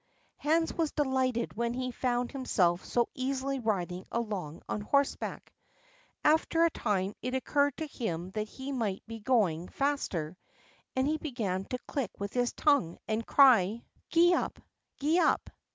'" Hans was delighted when he found himself so easily riding along on horseback. After a time it occurred to him that he might be going faster, and he began to click with his tongue, and to cry, "Gee up! Gee up!"